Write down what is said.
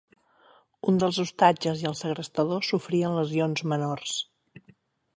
Un dels hostatges i el segrestador sofrien lesions menors.